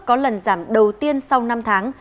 có lần giảm đầu tiên sau năm tháng